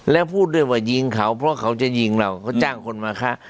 แล้วพูดด้วยว่ายิงเขาเพราะเขาจะยิงเราเขาจ้างคนมาฆ่า